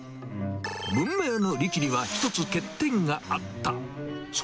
文明の利器には、１つ欠点があった。